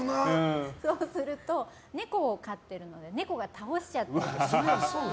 そうすると猫を飼っているので猫が倒しちゃったりして。